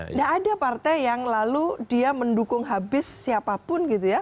tidak ada partai yang mendukung siapapun